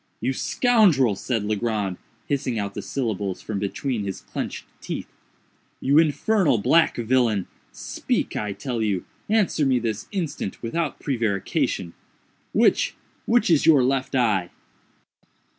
"You scoundrel," said Legrand, hissing out the syllables from between his clenched teeth—"you infernal black villain!—speak, I tell you!—answer me this instant, without prevarication!—which—which is your left eye?"